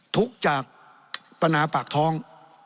ทุกข์จากปัญหาปากท้อง